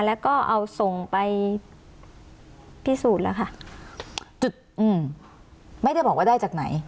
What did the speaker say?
แล้วก็เอาส่งไปพิสูจน์แล้วค่ะจุดอืมไม่ได้บอกว่าได้จากไหน